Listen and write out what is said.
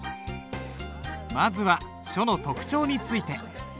まずは書の特徴について。